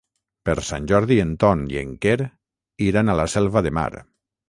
Per Sant Jordi en Ton i en Quer iran a la Selva de Mar.